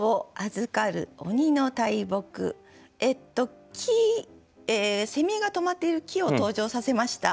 えっと木が止まっている木を登場させました。